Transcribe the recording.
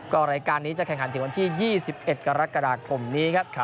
ก็รายการนี้จะแข่งขันถึงวันที่๒๑กรกฎาคมนี้ครับ